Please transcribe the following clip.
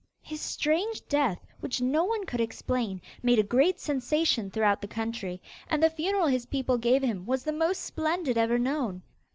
His strange death, which no one could explain, made a great sensation throughout the country, and the funeral his people gave him was the most splendid ever known.